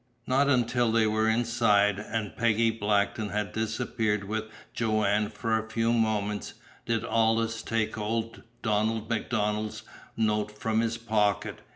Not until they were inside, and Peggy Blackton had disappeared with Joanne for a few moments, did Aldous take old Donald MacDonald's note from his pocket.